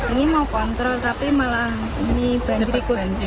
ini mau kontrol tapi malah ini banjir ikut